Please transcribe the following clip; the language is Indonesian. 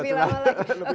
lebih lama lagi